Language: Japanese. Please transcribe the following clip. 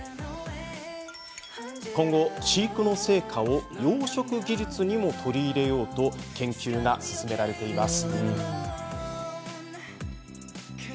今後、飼育の成果を養殖技術にも取り入れようと研究が進められています。